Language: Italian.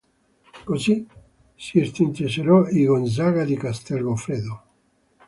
Così si estinsero i "Gonzaga di Castel Goffredo".